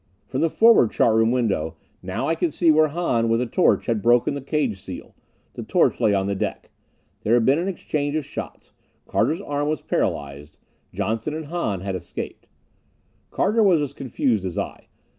From the forward chart room window now I could see where Hahn with a torch had broken the cage seal. The torch lay on the deck. There had been an exchange of shots; Carter's arm was paralyzed; Johnson and Hahn had escaped. Carter was as confused as I.